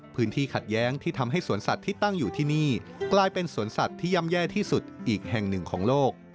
พวกมันต้องอยู่ที่นี่กลายเป็นสวนสัตว์ที่ยำแย่ที่สุดอีกแห่งหนึ่งของโลก